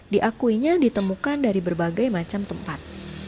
diakuinya ditemukan dari berbagai macam tempat